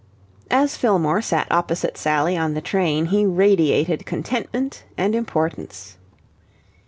As Fillmore sat opposite Sally on the train, he radiated contentment and importance.